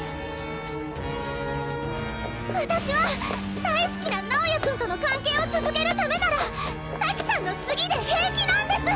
私は大好きな直也君との関係を続けるためなら咲さんの次で平気なんです！